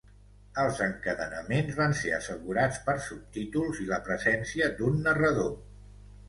Els encadenaments van ser assegurats per subtítols i la presència d'un narrador.